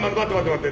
待って！